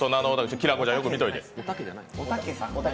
きらこちゃんよく見ておいて。